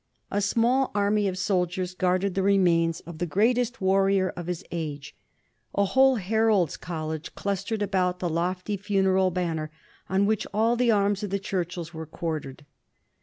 A small army of soldiers guarded the remains of the greatest warrior of his age ; a whole heralds' college clustered about the lofty funeral banner on which all the arms of the Churchills were quartered.